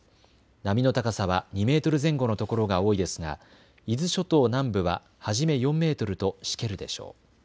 波の高さは２メートル前後の所が多いですが伊豆諸島南部は初め４メートルとしけるでしょう。